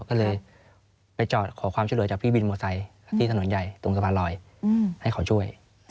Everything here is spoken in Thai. ก็เลยไปจอดขอความช่วยเหลือจากพี่วินมอไซค์ที่ถนนใหญ่ตรงสะพานลอยให้เขาช่วย